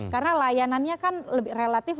karena layanannya kan relatif